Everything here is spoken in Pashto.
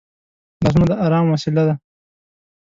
لاسونه د ارام وسیله ده